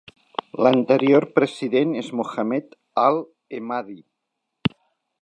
L'anterior President és Mohammed Al Emadi.